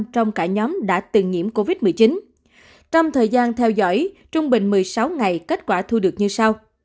trong thời gian theo dõi trung bình một mươi sáu ngày kết quả thu được như sau